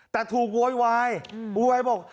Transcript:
แต่ถูกโวยวายโวยวายบอก